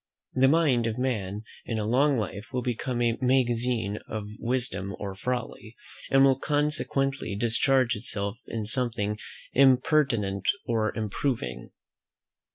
The mind of man in a long life will become a magazine of wisdom or folly, and will consequently discharge itself in something impertinent or improving.